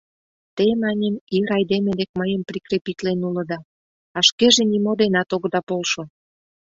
— Те, маньым, ир айдеме дек мыйым прикрепитлен улыда, а шкеже нимо денат огыда полшо.